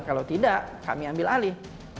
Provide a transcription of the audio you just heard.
kalau tidak kami ambil alih